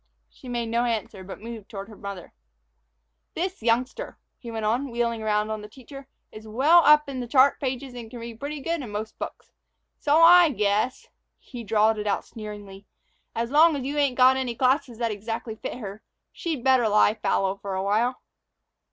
She made no answer, but moved toward her mother. "This youngster," he went on, wheeling around on the teacher, "is well up in them chart pages and can read pretty good in most books. So I guess" he drawled it out sneeringly "as long as you ain't got any classes that exactly fit her, she'd better lie fallow for a while."